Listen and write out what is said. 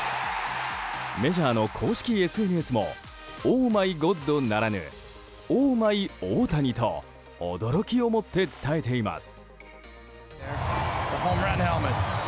メジャーの公式ＳＮＳもオーマイゴッドならぬ「ＯＨＭＹＯＨＴＡＮＩ」と驚きを持って伝えています。